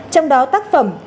trong đó tác phẩm